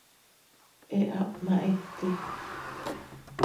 He ha hpmahiti.